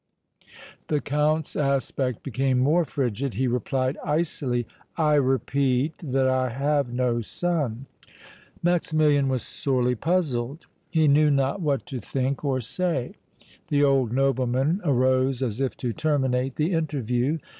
The Count's aspect became more frigid; he replied, icily: "I repeat that I have no son!" Maximilian was sorely puzzled. He knew not what to think or say. The old nobleman arose as if to terminate the interview.